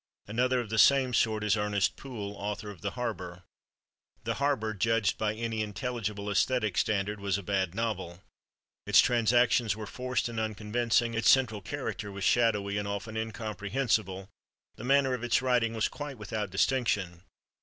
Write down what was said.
Another of the same sort is Ernest Poole, author of "The Harbor." "The Harbor," judged by any intelligible æsthetic standard, was a bad novel. Its transactions were forced and unconvincing; its central character was shadowy and often incomprehensible; the manner of its writing was quite without distinction.